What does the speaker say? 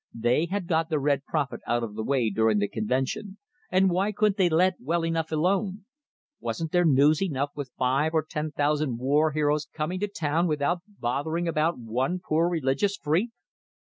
They had got the Red Prophet out of the way during the convention, and why couldn't they let well enough alone? Wasn't there news enough, with five or ten thousand war heroes coming to town, without bothering about one poor religious freak?